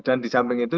dan di samping itu